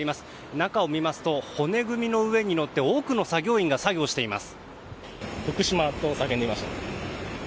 中を見ますと骨組みの上に乗って多くの作業員が作業しています。